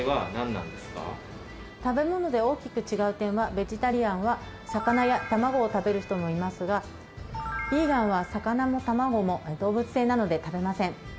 ベジタリアンは魚や卵を食べる人もいますがビーガンは魚も卵も動物性なので食べません。